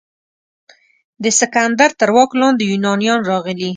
د سکندر تر واک لاندې یونانیان راغلي.